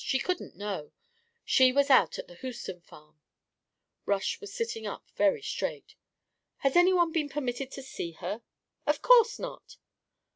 She couldn't know she was out at the Houston farm " Rush was sitting up very straight. "Has any one been permitted to see her?" "Of course not."